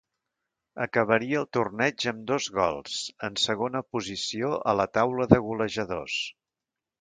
Acabaria el torneig amb dos gols, en segona posició a la taula de golejadors.